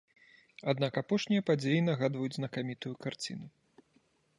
Аднак апошнія падзеі нагадваюць знакамітую карціну.